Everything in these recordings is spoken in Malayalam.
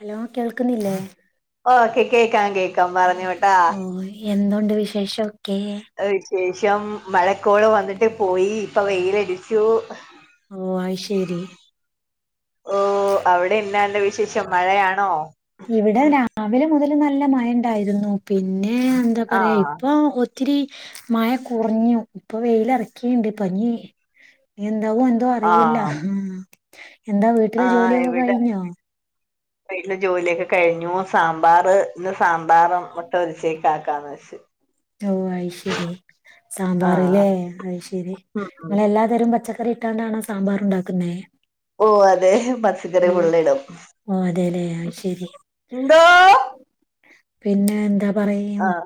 ഹലോ കേൾക്കുന്നില്ലേ? ഓക്കെ കേക്കാം കേ ഓ എന്തുണ്ട് വിശേഷം? വിശേഷം, മഴക്കോളാ വന്നിട്ട് പോയി, ഇപ്പൊ വെയിലടിച്ചു ഓ അത്ശെരി. ഓ അവിടെ എന്നാ ഉണ്ട് വിശേഷം മഴയാണോ? ഇവിടെ രാവിലെ മുതൽ നല്ല മഴ ണ്ടായിരുന്നു, പിന്നെ എന്താ പറയാ ആഹ് ഇപ്പൊ ഇച്ചിരി മഴ കുറഞ്ഞു. ഇപ്പൊ വെയിലറക്കിണ്ട്, ഇപഞ്ഞ് [unintelligible] എന്തോ അറിയില്ല. ആഹ് എന്താ വീട്ടിലെ ആഹ് ജോലിയൊക്കെ ഇവിടെ കഴിഞ്ഞോ? വീട്ടിലെ ജോലിയൊക്കെ കഴിഞ്ഞു. സാമ്പാറ് ഇന്ന് സാമ്പാറും മുട്ട പൊരിച്ചേക്കെ ആക്കാന്ന് വെച്ചു ഓ അയി്ശരി ആഹ് സാമ്പാറ്ലേ അഅ്ശരി, ഉം ഉം നിങ്ങളെല്ലാ തരം പച്ചക്ക റിട്ടാണ്ടാണോ സാമ്പാർ ഉണ്ടാക്കുന്നേ? ഓ അതെ പച്ചക്കറി ഓ ഫുള്ളിടും. ഓ അതെല്ലേ അത് ശരി എന്തോ....? പിന്നെ എന്താ പറയും. ആഹ്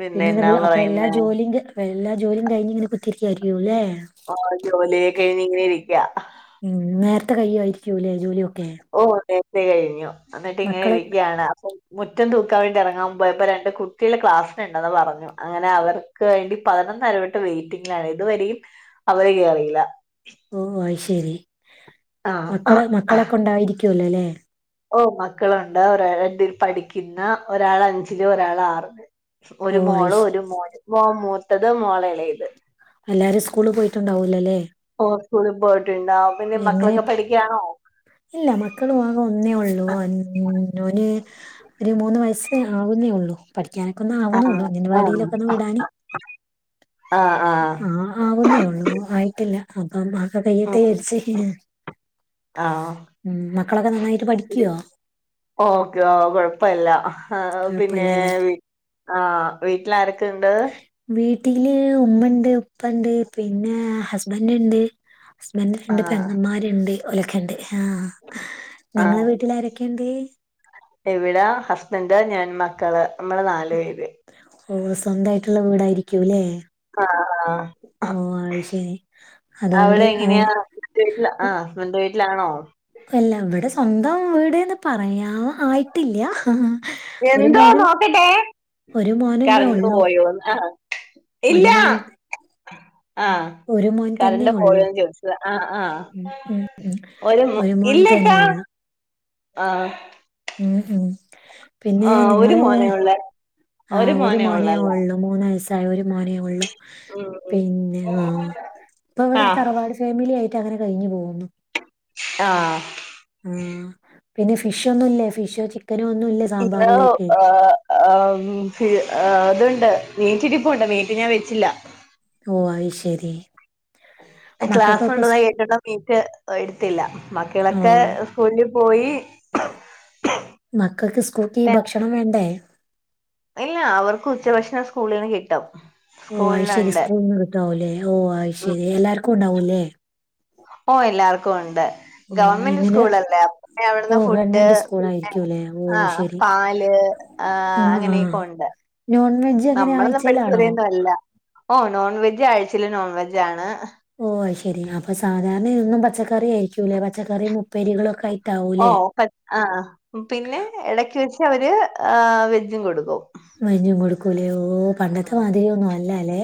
പിന്നെ പിന്നെന്താ എന്നാ അപ്പൊ എല്ലാ പറയുന്നേ ജോലി എല്ലാ ജോലിം കഴിഞ്ഞ് ഇങ്ങനെ കുത്തിരിക്കായരിക്കുല്ലേ? ആ ജോലിയൊക്കെ കഴിഞ്ഞ് ഇങ്ങനെ ഇരിക്കാ. ഉം നേരത്തെ കയ്യായിരിക്കൂല്ലേ ജോലിയൊക്കെ? പേ കഴിഞ്ഞു അന്നട്ടിങ്ങനെ മക്കള് ഇരിക്ക്യാണ് അപ്പൊ മുറ്റം തൂക്കാൻ വേണ്ടി എറങ്ങാൻ പോയപ്പ രണ്ട് കുട്ടികള് ക്ലാസ്സിന്ണ്ടെന്ന് പറഞ്ഞു, അങ്ങനെ അവർക്ക് വേണ്ടി പതിനൊ ന്നര തൊട്ട് വെയ്റ്റിങ്ങിലാണ് ഇതുവരെയും അവര് കേറീല. ഓ ഓ അയ്ശരി. ആഹ് മക്കള് മക്കളൊക്കൊണ്ടായിരിക്കൂല്ലലേ? ഓ മക്കളുണ്ട്. ഒരാളെട്ടിൽ പഠിക്കുന്ന്, ഒരാളഞ്ചില്, ഒരാളാറില്. ഓ ഒരു മോള്, അയ്ശ ഒരു മോൻ. മോൻ മൂത്തത്, മോളെളേത്. എല്ലാരും സ്കൂളില് പോയിട്ടുണ്ടാവോലല്ലെലേ? ഓ സ്കൂളിൽ പോയി ഒ പിന്നെ മക്കളൊക്കെ പഠിക്ക്യാണോ? ഇല്ല. മക്കളു ആകെ ഒന്നേ ഒള്ളൂ. ഓന് ഒരു മൂന്ന് വയസ്സേ ആവുന്നേ ഒള്ളൂ. പഠിക്ക ക്ക്യാനൊക്കൊന്ന് ആവ്ണൊ ആഹ് ള്ളൂ, ആഹ് അങ്കൻവാടീലൊക്കൊന്ന് വിടാന് ആഹ് ആവുന്നേ ഒള്ളൂ ആയിട്ടില്ല ആ മാസം ഉം കയ്യട്ടേജാരിച്ച് ആഹ് ഉം മക്കളൊക്കെ നന്നായിട്ട് പഠിക്ക്യോ ഓക്കെ ഓ കൊഴപ്പയെല്ല ആഹ് ഔ പിന്നേ കുഴപ്പമില്ലല്ലേ വീ ആഹ് വീട്ടിലാരൊക്കെ ഉണ്ട് ട്ടില് ഉമ്മണ്ട് ഉപ്പണ്ട് പിന്നെ ഹുസ്ബൻഡ് ഹസ്ബൻഡ രണ്ട് ആഹ് പെങ്ങമ്മാര്ണ്ട് ഓലൊക്കെണ്ട് ആഹ് നിങ്ങള വീട്ടിലാരൊക്കെയുണ്ട് ഇവിട ഹുസ്ബൻഡ് ഞാൻ മക്കള് നമ്മള് നാലു പേര് ഓ സ്വന്തായിട്ടുള്ള വീടായിരിക്ക്യൂലേ ആഹ് ആഹ് അഹ് അയ്ശരി അതുകൊണ്ട് അവിടെ എങ്ങനെയാ അങ്ങനെ [unintelligible] വീട്ടില ആഹ് സ്വന്ത വീട്ടി ലാണോ എല്ല ഇവടെ സ്വന്തം വീട്ന്ന് പറയാ ആയിട്ടില്ല്യാ ഹാ ആഹ് ഒരു എന്തോ മോനൻ നോക്കട്ടെ ഒരു മോനന്നെ കറണ്ട് ഒള്ളു പോയോന്ന് ആഹ് ഇല്ല ഒരു മോൻ ആഹ് ഒരു മോൻ തന്നെ കറണ്ട് ഒള്ളൂ പോയോന്ന് ചോദിച്ചത് ആഹ് ആഹ് ഉം ഉം ഉം മോ ഒരു മോൻ ഇല്ലക്കാ തന്നെയൊള്ളു ആഹ് ഉം ഉം പിന്നേ ആഹ് ഒരു നിങ്ങള് മോനേ ഉള്ള് ആഹ് ഒരു മോനേ ഒള്ളു മൂന്നുവയസ് സായ ഒരു മോനേ ഒള്ളൂ ഉം ഉം പിന്നെ ആഹ് ഇപ്പവടെ ആഹ് തറവാട് ഫാമിലി ആയി ട്ടങ്ങനെ കഴിഞ്ഞ് പോകുന്നു ആഹ് ആഹ് പിന്നെ ഫിഷ് ഒന്നുല്ല ഫിഷ് ചിക്ക് ഇന്ന് ആഹ് ആം ഫി [unintelligible] ആ അതുണ്ട് മീറ്റിരിപ്പുണ്ട് മീറ്റ് ഞാൻ വെച്ചില്ല ഓ അയ് ശരി എ മക്കൾക്കൊക്കെ ക്ലാസുണ്ടെന്ന സ്കൂ കേട്ടിട്ട് മീറ്റ് എടുത്തില്ല ഓ മക്കളെക്കെ സ്കൂളില് പോയീ മക്കക്ക് സ്കൂൾക്കീ ഭക്ഷണം വേണ്ടേ ഇല്ലാ അവർക്കുച്ച ഭക്ഷണം സ്‌കൂളീന്ന് കിട്ടും ഓ അയ് ശരി സ്കൂളിലുണ്ട് സ്കൂൾന്ന് കിട്ടു ആവൂലേ ഓ അയ് ഉം ശരി എല്ലാർക്കു ഉണ്ടാവൂലേ ഓ എല്ലാവർക്കു ഒണ്ട് ഉം ഗവൺമെന്റ് എങ്ങനെ സ്കൂളല്ലേ അപ്പൊപ്പിന്നെ ഓ അവിടുന്ന് ഫുഡ് ഗവൺമെന്റ് സ്കൂൾ പിന്നെ ആയിരിക്കൂല്ലേ ഓ അയ് ആഹ് ശരി പാല് ല് ആ ആഹ് ആഹ് അങ്ങനെയെക്കൊണ്ട് നോൺ വെജ് അങ്ങനെ നമ്മളൊന്നും പഠിച്ച ആഴ്ചയിലാണോ പോലെയൊന്നും അല്ല ഓ നോൺ വെജ് ആഴ്ച്ചയിൽ നോൺ വെജാണ് ഓ അയ് ശരി അപ്പൊ സാധാരണ എന്നും പച്ചക്കറിയായിരിക്കൂലേ പച്ചക്കറിം ഉപ്പേരികളൊക്കായി ഓ, ആ പിന്നെ, ഇടക്ക്, വെച്ച് അവര്, എ, വെജും കൊടുക്കും. മരിഞ്ഞും, കൊടുക്കൂലേ, ഓ, പണ്ടത്തെ, ആഹ് മാതിരിയൊന്നും, അല്ല, ല്ലെ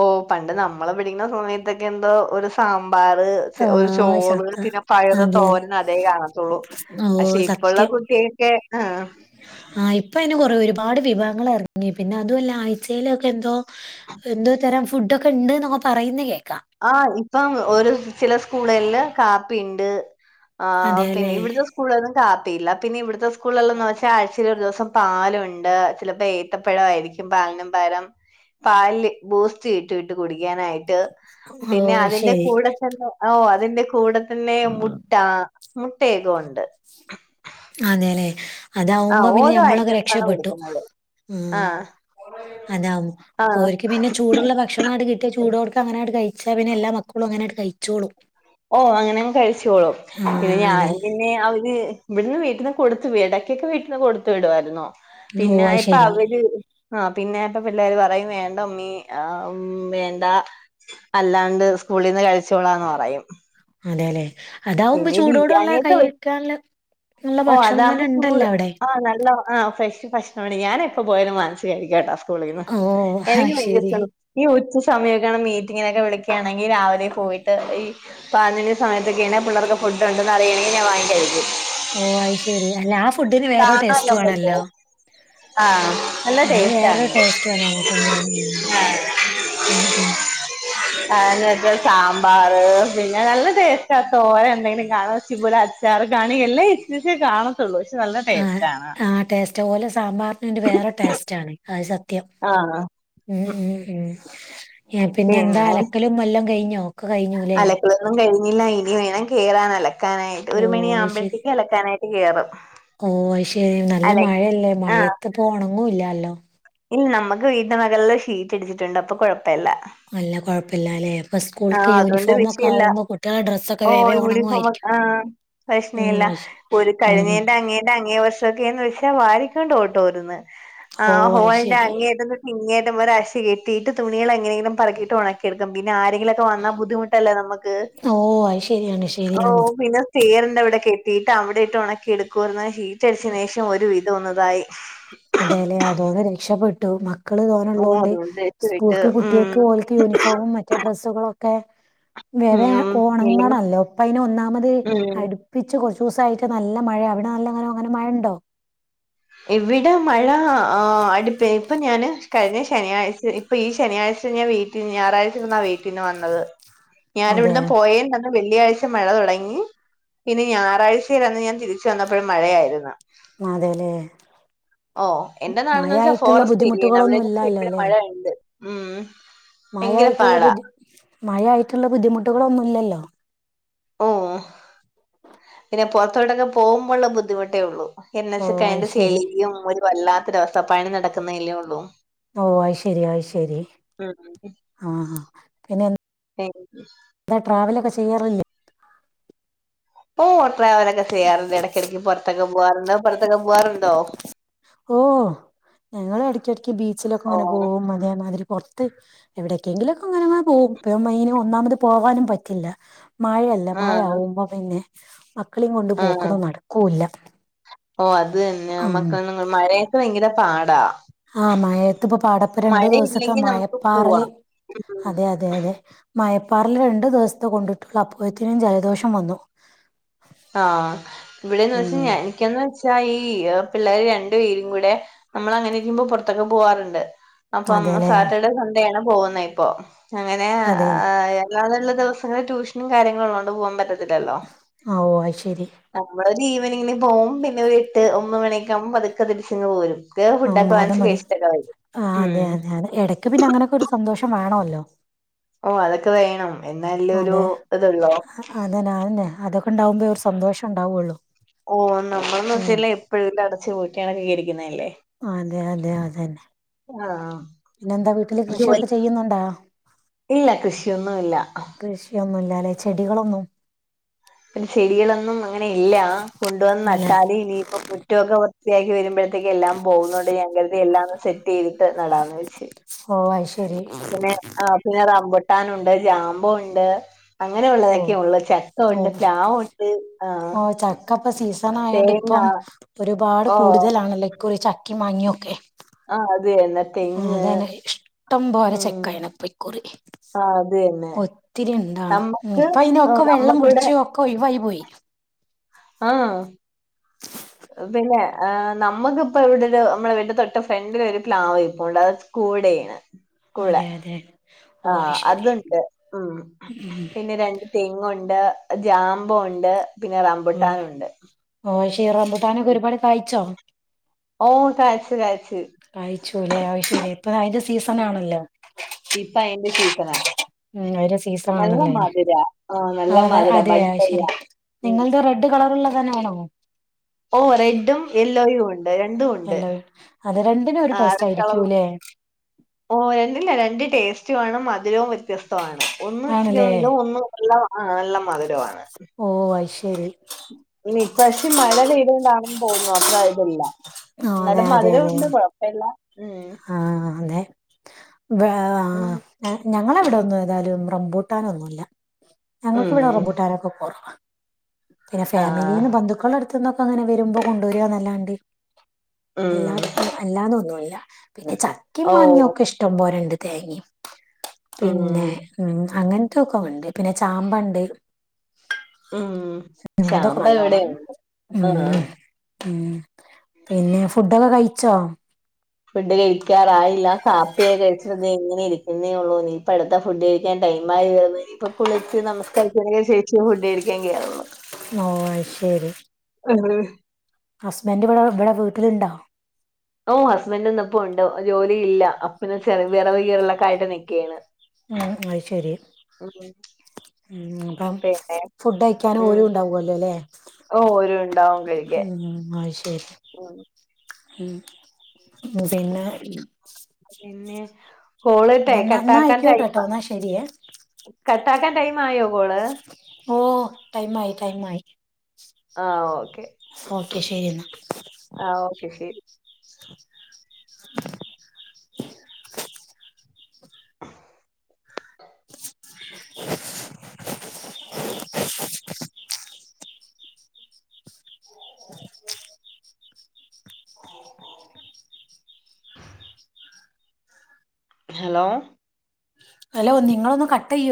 ഓ, പണ്ട്, നമ്മള്, പഠിക്കുന്ന സമയത്തൊക്കെ, എന്തോ, ഒരു, സാ മ്പാർ, ആ ഒരു, ചോറ്, ശത്ത പിന്നെ പയറ്, അതെ അതെ. തോരന്ന്, അതേ, കാണത്തുള്ളൂ, ഓ പക്ഷേ, ഇപ്പോ സത്യം. കുട്ടിയൊക്കെ, ആഹ ഞങ്ങളെറങ്ങി, പിന്നെ, അതുമല്ല, ആഴ്ചയിലൊക്കെ, എന്തോ, എന്തോ, തരം ഫുഡ് ഒക്കെ, ഉണ്ട്, എന്നൊക്കെ, പറയുന്ന, കേ ആ, ഇപ്പം, ഒരു ചില, സ്കൂളില്, കാപ്പിണ്ട് ആ്, പിന്നെ, അതെല്ലേ? ഇവിടുത്തെ, സ്കൂളന്നും, കാ പ്പില്ല, പിന്നെ ഇവിടുത്തെ, സ്കൂളകൾ, എല്ലാംന്ന്, വച്ചാ, ആഴ്ചൽ, ഒരു ദിവസം, പാലുണ്ട്, ചിലപ്പോ, ഏത്തപ്പഴ ആരിക്കും, പ രം, പാല്ല്, ബൂസ്റ്റ് ഇട്ടിട്ട് കുടിക്കാനായിട്ട് ഓ പിന്നെ, അത് അതിന്റെ, ശരി. കൂടെത്തന്നെ, ഓ, അതിന്റെ, കൂടെ തന്നെ, മുട്ട മുട്ടേഒക്കെണ്ട് അതെലേ, അതാവുമ്പോ, പിന്നെ, ഓരോ നമ്മളൊക്കെ, ഐറ്റംസാണ് രക്ഷപപ്പെട്ടു കൊടുക്കുന്നത്. ഉം, ആഹ് അതാ, ആഹ് ഓർക്ക്, പിന്നെ ചൂടുള്ള, ഭക്ഷണ ആട്ട, കിട്ടിയ, ചൂടോടുക്ക, അങ്ങനെ, കഴ പിച്ചാ, പിന്ന, എല്ലാ മക്കളും, അങ്ങനങ്ങോട്, കഴിച്ചോളൂ ഓ, അങ്ങനെങ്, കഴിച്ചോളും, പിന്നെ, ആഹ് ഞാൻ, അതെ പിന്നെ, അവര് ഇവിടുന്ന്, വീട്ടിൽന്ന്, കൊടുത്തു, ഇടക്കൊക്കെ, വീട്ടിന്ന്, കൊടുത്തു വിടുമായിരുന്നോ, ഓ പിന്നെ, അത് ഇപ്പൊ ശരി. അവര് ആ, പിന്നെ ഇപ്പ പിള്ളേർ, പറയും വേണ്ട ഉമ്മീ, വേണ്ട, അല്ലാണ്ട് ള്ളളിൽന്ന്, കളിച്ചോളാന്ന്, പറയും. അതെല്ലെ, അതാവുമ്പ, പിന്നെ ഈ ചൂടോടുള്ള, ബിരിയാണിയൊക്കെ വെ കൈക്കാനുള്ള ഓ, അതാകുമ്പോ, ചൂട്, ആഹ, നല്ല, ആഹ, ഫ്രഷ്, ഭാ,, - ഞാനെപ്പ, പോയാലും, വാങ്ങിച്ചു കഴിക്കു കേട്ടാ, സ്കൂളിന്ന്, ഓ എനിക്ക് അത് [unintelligible] ശരി. സമയമൊക്കൊണ്, മീറ്റിങ്ങിനൊക്കെ, വിളിക്കുകയാണെങ്കി, രാവിലെ, പോയിട്ട്, ഈ, പാലി, സമയത്തൊക്കെയ പിള്ളേക്ക്, ഫുഡ്ഡുണ്ടന്ന്, അറിയണെിങ്കി, ഞൻ, വാങ്ങ കഴി ഓ, അയി ശരി, അല്ലെ, ആ ഫുഡിന്, വേറരു, ടേസ്റ്റ്, വാണല്ലോ ആഹ, നല്ല, ടേസ്റ്റ് ആ. ടേസ്റ്റുവാ നമുക്ക് ഉം ഉം, ഉം ആനെ സാമ്പാർ, പിന്നെ, നല്ല ടേസ്റ്റാ, ത്തോരൻ, എന്തെങ്കിലും, കാണ, വെച്ച പോലെ, അച്ചാർ കാണല്ലേ, കാണത്തുള്ളൂ നല്ല ആ, ടേസ്റ്റ് ആണ് ആ, ടേസ്റ്റ്, ഓലെ, സാമ്പാറിനൊരു, വേറെ, ടേസ്റ്റാ ണ്, അത് ത്യം, ആഹ് ഉം, ഉം, ഉം പിന്നെ, എന്താ, അലക്കലും, എല്ലാം കഴിഞ്ഞ അലക്കലൊന്നും, കഴിഞ്ഞില്ല, ഇനി വേണം, കയറാൻ, അലക്കാനായിട്ട്, ഓ ഒരു, അത് ശരി. മണിയാവുമ്പോഴത്തേക്കും, അലക്കാനായിട്ട് കേറും ഓ, അ ശരി, നല്ല, അല മഴയല്ലേ, ആഹ് മഴയത്ത്, പോണങ്ങുംല്ലല്ലോ ഇല്ല, നമ്മക്ക്, വീട്ട് മേകളിൽ, ഷീറ്റ്, അടിച്ചിട്ട് ഇണ്ട്, അപ്പൊ, കുഴപ്പല്ല നല്ല, കൊഴപ്പില്ലാലേ ഇപ്പ, സ്കൂൾക്ക്, ആഹ് അതുകൊണ്ട് യൂണിഫോമൊക്കെ, വിഷയല്ല ആവുമ്പോ, കുട്ടികള ഡ്രസ്സൊക്കെ, ഓ വേം, വേം, യൂണിഫോമ ഒണങ്ങുമായിരിക്കും, ആ ഉ പ്രശ്നമില്ല ഒരു, കഴിഞ്ഞേന്റെ, അങ്ങേന്റെ, അങ്ങേ ക്കന്ന്, വെച്ചാൽ, വാരിക്കൊണ്ടോട്ടോന്ന്, ആ, ഓഹ് അത് ഹോളിന്റെ, ശരി. അങ്ങേ, ഇങേ ഒരു ആശ കെട്ടിട്ട്, തുണികൾ, എങ്ങനെങ്കി, ലും പറക്കിട്ട്, ഉണക്കിെടുക്ക, പിന്നെ, ആരെങ്കിലും ക്കൊ, വന്നാ, ബുദ്ധിമുട്ടല്ലേ, നമ്മക്ക്, ഓഹ് അത് ശരിയാണ് ഓ, ശരിയാണ്. പിന്നെ ചേറിന്റെ, അവിടെ, കെട്ടീട്ട്, അവിടെയിട്ട്, ഉണക്കി, എടുക്കും, [unintelligible] ചീറ്റടിച്ചനേഷം, ഒരു, വിദൊന്ന്തായി അതെ, ലേ, അതോട്, രക്ഷപ്പെട്ടു മക്കള്, ഓ തോനെള്ളൊണ്ട്, അതുകൊണ്ട് വെച്ച് വിട്ട് സ്കൂൾക്ക്, ഉം കുട്ടിൾക്ക്, പോലക്ക്, വരുമ്പോ, യൂണിഫോമും, മറ്റേ, ഡ്രസും കളൊക്കെ, വരെ, ഉം ഇല്ലെങ്കിൽ ഓണങ്ങണെല്ലോ, പ്പയ്ൻ, ഒന്നാമത്, ഉം അട്പ്പിച്, കൊറ ചൂസായിട്ട്, നല്ല മഴ അവിടെ, നല്ലങ്ങന, അങ്ങനെ, മഴണ്ടോ ഇവിടെ, മഴ, ആ്, അടുപ്പ്, ഇപ്പൊ, ഞാന്, കഴിഞ്ഞ, ശനിയാഴ്ച, ഇപ്പൊ, ഈ, ശനിയാഴ്ച ഞാ, വ ഞായറാഴ്ച, വീട്ടന്, വന്നത്, ഞാന, അതെ ഇവിടുന്ന്, പോയ വെള്ളിയാഴ്ച മഴ തുടങ്ങി പിന്നെ ഞായറാഴ്ചയിലന്ന് ഞാൻ തിരിച്ച വന്നപ്പോഴും മഴയായിരുന്നു അതേല്ലേ. ഓ എന്റെ നാടന്ന് വെച്ചാ മഴയായിട്ടുള്ള ഫോറസ്റ്റ് ഏരിയാണ് ബുദ്ധിമുട്ടുകളൊന്നും അവിടെന്ന് വെച്ച ഇല്ലാല്ലോ എപ്പഴും ല്ലേ? മഴയ ഉണ്ട് ഉം ഭയങ്കര മഴയായിട്ടുള്ള പാടാ ബുദ്ധി മഴയായിട്ടുള്ള ബുദ്ധിമുട്ടുകളൊന്നുമില്ലല്ലോ ഓ പിന്നെ പുറത്തോട്ടൊക്കെ പോകുമ്പോഴുള്ള ബുദ്ധിമുട്ടേ ഉള്ളൂ ഓ അത് എന്നച്ചതിന്റെ ശരി ചെളിയും വല്ലാത്ത ഒരവസ്ഥ പണി നടക്കുന്നല്ലേ ഉള്ളൂ ഓ ആയി ശരിയ ആയി ശരി ആഹ പിന്നെ ഉം അതാ ട്രാവലൊക്കെ ചെയ്യാറില്ലേ ഓ ട്രാവൽഓക ചെയ്യാറുണ്ട് ചെയ്യാറുണ്ട് ഇടക്കിടക്ക് പുറത്തൊക്കെ പോകവറുണ്ട് പുറത്തൊക്കെ പോവാറുണ്ടോ ഓ ഞങ്ങള് ഇടക്ക ഇടക്ക് ബീച്ചിലൊക്കെ ഓ അങ്ങനെ പോവും അതേമാതിരി പോറത്ത് എവിടെക്കെങ്കിലൊക്കെ അങ്ങനങ്ങനെ പോവും ഇപ്പ ഈ മഴയിൻ ഒന്നാമത് പോകാനും പറ്റില്ല മഴയല്ല മഴ ആഹ് ആകുമ്പോ പിന്നെ മക്കളും കൊണ്ട് ആഹ് പോക്കുന്നു നടക്കല്ല ആ മഴയൊക്ക് ഭയങ്കര പാടാ ആഹ മഴയത്തിപ്പൊ പാടപ്പരണ്ടു ദിവസത്തെ മഴയില്ലെങ്കിൽ നമുക്ക് മയപ്പാറല് പോവാം ഉം അതെ അതെ അതെ മയപ് പ്പാറൽ രണ്ടു ദിവസത്തെ കൊണ്ടിട്ടുള്ളു, അപ്പോയത്തിനും ജലദോഷം വന്നു ആഹ് ഇവിടെന്ന് വെച്ച ഉം ഞാ എനിക്ക്യന്ന് ഞാ ഈ പിള്ളേര് രണ്ടു പേരും കൂടെ നമ്മളങ്ങനെ ഇരിക്കുമ്പോ പൊറത്തൊക്കെ പോവാറുണ്ട് അപ്പം, അതെല്ലേ സാറ്റർഡേ സൺഡേ ആണ് പോകുന്നെ ഇപ്പൊ അങ്ങനെ അതെ ആ എല്ലാതള്ള ദിവസങ്ങൾ ടൂഷനും കാര്യങ്ങളൂ ളേളാണ്ട് പോകാൻ പറ്റത്തില്ലലോ, ആ ഓ അത് ശരി അപ്പൊവടെ ലീവ് ഇങ്ങനെ പോവും. പിന്നെ ഒരു എട്ട് ഒൻപത് മണിയൊക്കെ ആകുമ്പോ പതുക്ക തിരിച്ച് ഇങ്ങ് പോരും ഉം.. ഫുഡൊക്കെ അത് വാങ്ങിച്ച് മതി കഴിച്ചിട്ടൊക്കെ വരും ആ അതെ ഉം അതെ അതെ എടക്ക് പിന്നെ അങ്ങനൊക്കൊരു സന്തോഷം വേണവല്ലോ ഫ [inaudible] ഓ അതൊക്കെ വേണം എന്നാലല്ലേ ഒരു അതെ ഇതൊള്ളൂ അ അതന്നെ അന്നെ അതൊക്കെ ണ്ടാകുമ്പേ ഒര് സന്തോഷം ഉണ്ടാവ്വൊള്ളു ഓ നമ്മളന്ന് വെച്ചില്ല എപ്പോഴും ല്ലാം അടച്ച് പൂട്ട്യ കണക്കിരിക്കുന്നതല്ലേ അതെ അതെ അതെന്നെ, ആഹ് പിന്നെന്താ വീട്ടില് ജോലി കൃഷിയൊക്കെ ചെയ്യുന്നുണ്ടോ ഇല്ല, കൃഷിയൊന്നും ഇല്ല ല്ലെ... ചെടികളൊന്നും പിന്നെ ചെടികളൊന്നും അങ്ങനെ ഇല്ലാ, കൊണ്ടുവന്ന് ഇല്ലേ നട്ടാലേ ഇനിയിപ്പ മുറ്റൊക്കെ വൃ ത്തിയാക്കി വരുമ്പോഴത്തേക്ക് എല്ലാം പോകുന്നുണ്ട് ഞാൻ കരുതി എല്ലാംന്ന് സെറ്റ് ചെയ്തിട്ട് നടാന്ന് വെച്ച് ഓ അത് ശരി പിന്നെ ആ പിന്നെ റംബുട്ടാൻ ഉണ്ട് ജാമ്പുണ്ട് അങ്ങനെ ഓ ഉള്ളതൊക്കെയെ ഉള്ളു ചക്ക ഓ ഉണ്ട്, പ്ലാവുണ്ട്, ആഹ് ഹ തേങ്ങ ഇ ഒരുപാട് ഓഹ് കൂടുതൽ ആണല്ലോ ഇക്കുറി ചക്യും മാങ്ങ്യൊക്കെ ആഹ് അ അതന്നെ ഇഷ്ടം പോലെ ഉം ചക്കായീണ് പ്പൊ ഇക്കുറി ആഹ് അത് തന്നെ ഒത്തിരി ണ്ടാണും. നമ്മക്ക് ഇപ്പ ആഹ് അയ്നൊക്കെ വെള്ളം നമ്മക്കിവിടെ കുടിച്ച് ഒക്കെ ഒയ്യിവായി പോയി ആഹ പിന്നെ ഏ നമ്മക്കിപ്പോ ഇവിടെരു നമ്മളെ വീട്ടിൻ്റെ തൊട്ട് ഫ്രണ്ടില് ഒരു പ്ലാവരിപ്പോണ്ട് അത് കൂടെയാണ് അതെ അതെ ആ ഓ അത് ശരി അത്ണ്ട് ഉം ഉം പിന്നെ രണ്ട് തെങ്ങുണ്ട് ജാമ്പോണ്ട് പിന്നെ റമ്പുട്ടാനുണ്ട് ഈ റമ്പുട്ടാനൊക്കൊരുപാട് കായ്ച്ചോ ഓ കാഴ്ച്ച് കാഴ്ച്ച് കാഴ്ച്ചൂലെ അഅ്ശേരി ഇപ്പ അയ്ന്റെ ഉം സീസണാണല്ലോ ഇപ്പ അയ്ന്റെ സീസണ ഉം അതിന്റെ സീസൺ നല്ല ആണല്ലോ അയിന് മധ്‌രാ ആഹ നല്ല മധ്‌രാ പഴ്ത്ത് കഴിഞ്ഞ നിങ്ങളുടെ റെഡ് കളർ ഉള്ള തന്നാണോ ഓ റെഡും യെല്ലോയും ഒണ്ട് രണ്ടുഒണ്ട് അല്ല അത് രണ്ടിനും ഒരു ടേസ്റ്റ് ആയിരിക്കൂല്ലേ ഓ രണ്ടില്ല രണ്ട് ടേസ്റ്റുവാണ് മധുരവും വ്യത്യസ്തവാണ് ഒന്ന് ആണല്ലേ ചെറ്തും ഒന്ന് നല്ല നല്ല മധുരവാണ് അഅ്ശേരി പക്ഷെ, മഴ പെയ്തോണ്ടാണെന്ന് തോന്നുന്നു അത്ര ഇത് ല്ല ആ ന്നാലും മധുരം ഉണ്ട് കൊഴപ്പല്ലാ ആഹ് അതെ ബ ആ ഉം [unintelligible] ഞങ്ങളെവിടെ ഒന്നും ഏതായാലും റംബൂട്ടാനൊന്നുല്ല. ഉം ഞങ്ങക്കിവിടെ റംബൂട്ടാനൊക്കെ കൊറവാ പിന്നെ ആഹ് ഫാമിലീന്ന് ബന്ധുക്കളെട്ത്ത്ന്നൊക്കെങ്ങനെ വരുമ്പോ കൊണ്ടര്വാന്നല്ലാണ്ട് അല്ലാ ഉം അല്ലാതൊന്നുല്ല പിന്നെ ചക്കേം മാങ്ങയും ഓഹ് ഒക്കെ ഇഷ്ടം പോലെഇണ്ട് തേങ്ങേം, പിന്നെ ഉം ഉം അങ്ങൻ റ്റോക്കോങ്ങ്ണ്ട് പിന്നെ ചാമ്പണ്ട് ഉം ഉംഅതൊക്കെ ചാമ്പ നല്ലോണം ഇവിടെയുണ്ട് ആഹ് ഊം ഉം പിന്നെ ഫുഡൊക്കെ കഴിച്ചോ ഫുഡ് കഴിക്കാറായില്ല കാപ്പിയെ കഴിച്ചിട്ട് ദേ എങ്ങനെ ഇരിക്കുന്നേഒള്ളൂ നീ ഇപ്പ അടുത്ത ഫുഡ് കഴിക്കാൻ ടൈ ആയിവരുന്നു ഇനിപ്പ കുളിച്ച് നമസ്കരിച്ചതിന് ശേഷേ ഫുഡ് കഴിക്കാൻ കേറുള്ളു ഓ ശരി ഹസ്ബൻ്റ് ഇവിടെ ഇവിടെ വീട്ടില്ണ്ടോ ഓ ഹസ്ബൻറ് ഇന്ന്പ്പൊ ഉണ്ട് ജോലി ഇല്ല അപ്പിന്നെ ചെറിയ വെറവ്കീറലൊക്കായിട്ട് നിക്കേയാണ് ഉം അയ്ശെരി ഉം അപ്പം പിന്നെ ഫുഡ് കഴിക്കാനും ഉം ഓരും ഉണ്ടാവുവല്ലോ അല്ലേ ഓ ഓരു ഉണ്ടാവും കഴിക്കാൻ ഉം, അത് ശരി ഉം പിന്നെ പിന്നെ കോള്ട്ടെ പിന്നെ എന്നാ എന്നാ ആയിക്കോട്ടെ കേട്ടോ കട്ടാക്കാൻടൈമാ എന്നാ ശരിയേ കട്ടാക്കാൻ ടൈം ആയോ കോള് ഓ ടൈമായി ടൈമായി ആ ഓക്കെ ഓക്കെ ശരി എന്നാ പ്പശെരി [unintelligible] [inaudible] ഹലോ അല്ല ഒനിങ്ങളൊന്ന്ന് കട്ടെയ്യോ